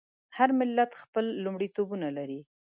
هر ملت خپل لومړیتوبونه لري.